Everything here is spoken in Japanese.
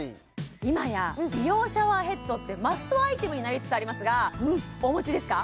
今や美容シャワーヘッドってマストアイテムになりつつありますがお持ちですか？